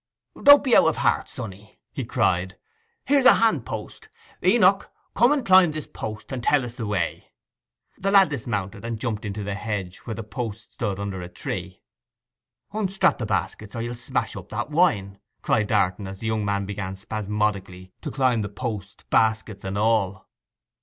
'Don't be out of heart, sonny,' he cried. 'Here's a handpost. Enoch—come and climm this post, and tell us the way.' The lad dismounted, and jumped into the hedge where the post stood under a tree. 'Unstrap the baskets, or you'll smash up that wine!' cried Darton, as the young man began spasmodically to climb the post, baskets and all.